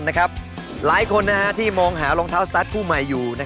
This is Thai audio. หลายคนที่มองหารองเท้าสตาร์ทคู่ใหม่อยู่